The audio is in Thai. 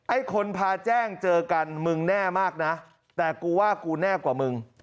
ไอ้คนพาแจ้งเจอกันมึงแน่มากนะแต่กูว่ากูแน่กว่ามึง